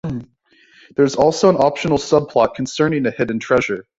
There is also an optional subplot concerning a hidden treasure.